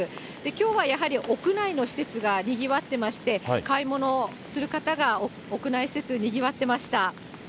きょうはやはり屋内の施設がにぎわってまして、買い物をする方が屋内施設、にぎわってました。